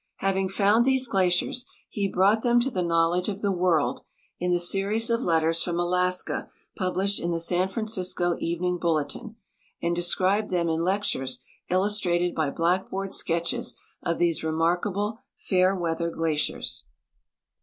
Having found these glaciers, he l)i'OUght them to the knowledge of the world in the series of letters from Alaska published in the San Francisco Evening Bulletin, and described them in lectures illustrated by blackboard sketches of these remarkable " Fairweather glaciers."